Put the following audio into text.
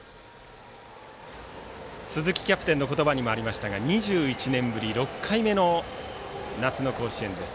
鈴木キャプテンの言葉にもありましたが２１年ぶり６回目の夏の甲子園です。